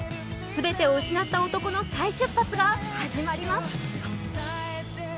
全てを失った男の再出発が始まります。